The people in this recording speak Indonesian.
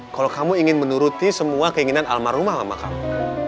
kalau kamu ingin menuruti semua keinginan almarhumah sama kamu